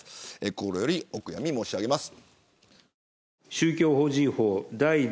心よりお悔やみ申し上げます。